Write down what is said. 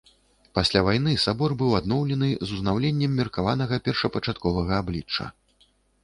Пасля вайны сабор быў адноўлены з узнаўленнем меркаванага першапачатковага аблічча.